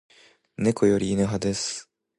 猫より犬派です